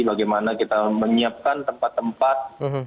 bagaimana kita menyiapkan tempat tempat